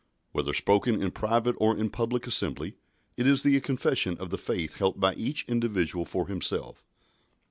Whether spoken in private or in a public assembly, it is the confession of the faith held by each individual for himself.